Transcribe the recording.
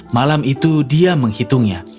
malam itu dia menghitungnya